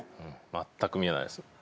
まったく見えないです。